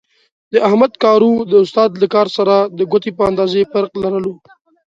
د احمد کارو د استاد له کار سره د ګوتې په اندازې فرق لرلو.